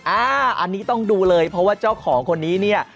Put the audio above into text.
อันนี้ต้องดูเลยเพราะว่าเจ้าของคนนี้เนี่ย